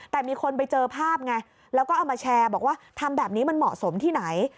แต่มีคนไปเจอภาพไงแล้วก็เอามาแชร์บอกว่าทำแบบนี้มันเหมาะสมที่ไหน